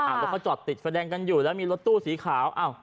แล้วก็จอดติดไฟแดงกันอยู่แล้วมีรถตู้สีขาวอ้าว